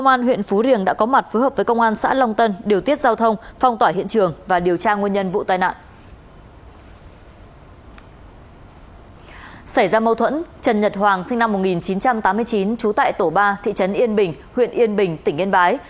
xảy ra mâu thuẫn trần nhật hoàng sinh năm một nghìn chín trăm tám mươi chín trú tại tổ ba thị trấn yên bình huyện yên bình tỉnh yên bái